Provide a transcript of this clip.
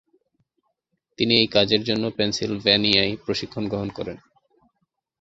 তিনি এই কাজের জন্য পেন্সিলভেনিয়ায় প্রশিক্ষণ গ্রহণ করেন।